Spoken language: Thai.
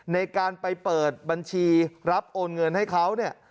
ในการไปเปิดบัญชีรับโอนเงินให้เขาเนี่ย